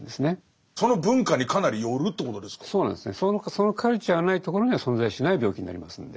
そのカルチャーがないところには存在しない病気になりますので。